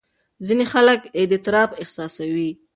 ځینې خلک اضطراب احساسوي.